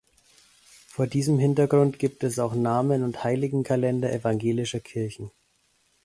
Vor diesem Hintergrund gibt es auch Namen- und Heiligenkalender evangelischer Kirchen.